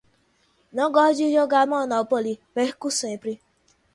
Não gosto de jogar Monopoly, perco sempre!